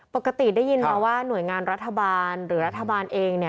ปกติได้ยินมาว่าหน่วยงานรัฐบาลหรือรัฐบาลเอง